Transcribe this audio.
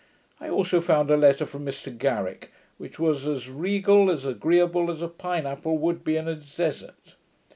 I also found a letter from Mr Garrick, which was a regale as agreeable as a pineapple would be in a desert.